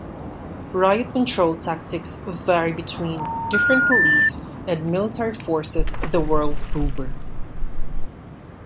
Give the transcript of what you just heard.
Riot control tactics vary between different police and military forces the world over.